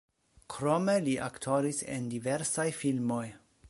Krome li aktoris en diversaj filmoj.